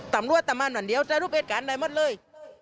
ตำรวจประมาณวันเดียวรับหลูกเอก่านอะไรหมดเลย